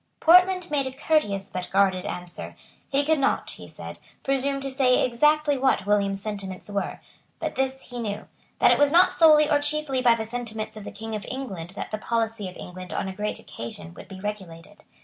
Portland made a courteous but guarded answer. He could not, he said, presume to say exactly what William's sentiments were; but this he knew, that it was not solely or chiefly by the sentiments of the King of England that the policy of England on a great occasion would be regulated.